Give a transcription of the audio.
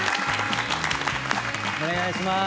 お願いしまーす。